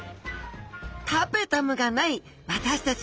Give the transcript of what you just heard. タペタムがない私たち